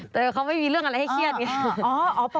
แต่เขาไม่มีเรื่องอะไรให้เครียดไง